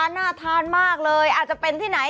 น่าทานมากเลยอาจจะเป็นที่ไหน